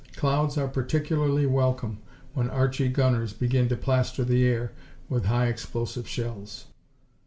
Clouds are particularly welcome when Archie gunners begin to plaster the air with high explosive shells.